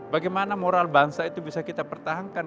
bagaimana moral bangsa itu bisa kita pertahankan